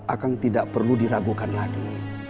akan tidak perlu diragukan lagi